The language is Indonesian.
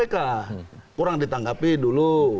kurang ditangkapi dulu